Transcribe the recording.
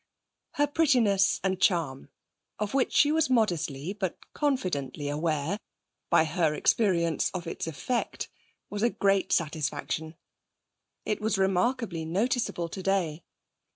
Her prettiness and charm of which she was modestly but confidently aware, by her experience of its effect was a great satisfaction. It was remarkably noticeable today.